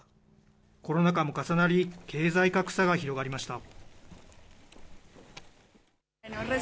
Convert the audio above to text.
コロナ禍も重なり、経済格差が広がりました。